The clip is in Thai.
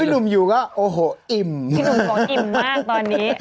พี่หนุ่มก็อิ่มมากตอนนี้